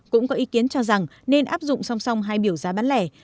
cũng có ý kiến cho rằng nên áp dụng song song hai biểu giá bán lẻ